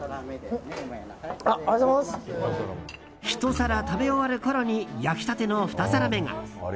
１皿食べ終わるころに焼きたての２皿目が。